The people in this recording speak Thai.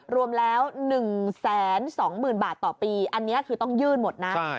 รวมแล้ว๑๒๐๐๐บาทต่อปีอันนี้คือต้องยื่นหมดนะ